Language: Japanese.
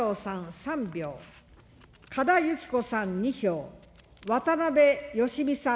３票、嘉田由紀子さん２票、渡辺喜美さん